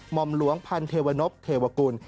ห่อมหลวงพันเทวนพเทวกุล